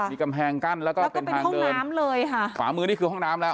มีกำแพงกั้นแล้วก็เป็นทางเดินน้ำเลยค่ะขวามือนี่คือห้องน้ำแล้ว